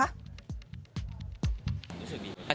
รู้สึกดีไหม